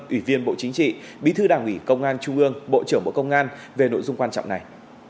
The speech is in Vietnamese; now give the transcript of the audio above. ủy viên bộ chính trị bí thư đảng ủy công an trung ương bộ trưởng bộ công an về nội dung quan trọng này